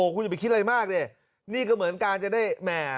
คุณอย่าไปคิดอะไรมากดินี่ก็เหมือนการจะได้แหม